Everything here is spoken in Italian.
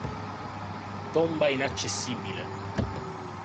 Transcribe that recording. Tomba inaccessibile.